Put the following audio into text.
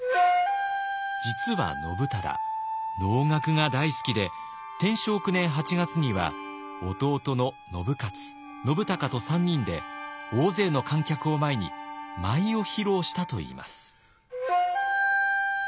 実は信忠能楽が大好きで天正９年８月には弟の信雄信孝と３人で大勢の観客を前に舞を披露したといいます。